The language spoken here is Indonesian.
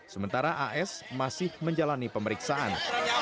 sementara as masih menjalani pemeriksaan